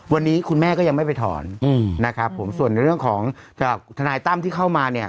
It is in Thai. วันนี้คุณแม่ก็ยังไม่ไปถอนส่วนในเรื่องของธนายตั้มที่เข้ามา